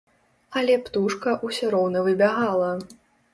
Але птушка ўсё роўна выбягала.